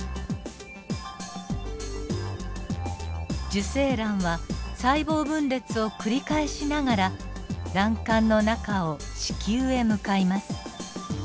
受精卵は細胞分裂を繰り返しながら卵管の中を子宮へ向かいます。